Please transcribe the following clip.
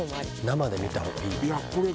生で見た方がいい。